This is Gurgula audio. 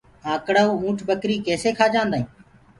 آنڪڙآئو اُنٺ ٻڪري ڪيسي کآ جآندآئين